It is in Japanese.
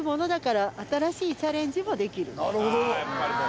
なるほど！